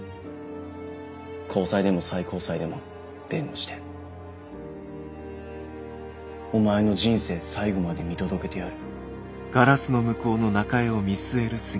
高裁でも最高裁でも弁護してお前の人生最後まで見届けてやる。